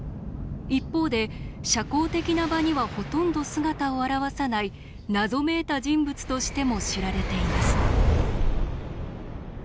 一方で社交的な場にはほとんど姿を現さない謎めいた人物としても知られています。